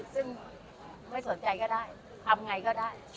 ซึ่งไม่สนใจก็ได้ทำไงก็ได้